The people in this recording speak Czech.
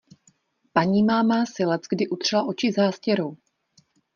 Panímáma si leckdy utřela oči zástěrou.